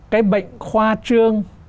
cái bệnh khoa trương